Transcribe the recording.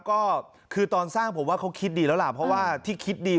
ก็คือตอนสร้างผมว่าเขาคิดดีแล้วล่ะเพราะว่าที่คิดดี